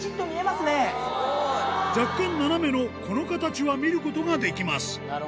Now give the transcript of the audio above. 若干斜めのこの形は見ることができます。